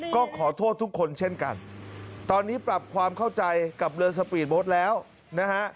ก็ขอโทษทุกคนเช่นกันตอนนี้ปรับความเข้าใจกับเรือสปีดโบสต์แล้วนะฮะ